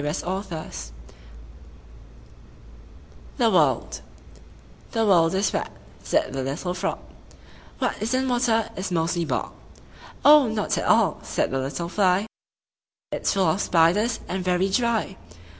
THE WORLD "The world is wet," said the little frog; "What isn't water is mostly bog." "Oh, not at all!" said the little fly; "It's full of spiders, and very dry!"